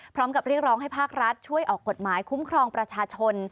พร้อมกับเรียกร้องให้ภาครัฐช่วยออกกฎหมายคุ้มครองประชาชน